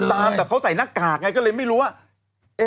ตามแต่เขาใส่หน้ากากไงก็เลยไม่รู้ว่า